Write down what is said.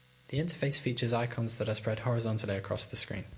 The interface features icons that are spread horizontally across the screen.